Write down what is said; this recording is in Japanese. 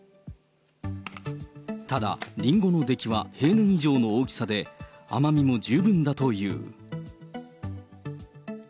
ただ、リンゴの出来は平年以上の大きさで、甘みも十分だという。